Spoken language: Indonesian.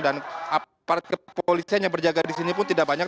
dan apartemen polisian yang berjaga disini pun tidak banyak